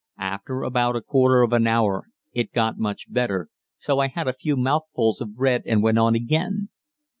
After about a quarter of an hour it got much better, so I had a few mouthfuls of bread and went on again.